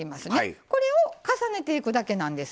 これを重ねていくだけなんです。